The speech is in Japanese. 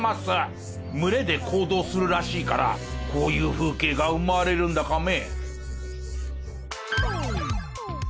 群れで行動するらしいからこういう風景が生まれるんだカメ。